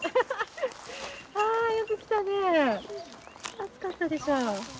暑かったでしょう。